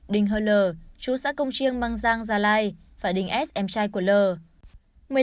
đình hơ lờ chú xã công chiêng mang giang gia lai và đình s em trai của lờ